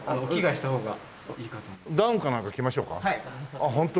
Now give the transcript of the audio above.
あっホントに？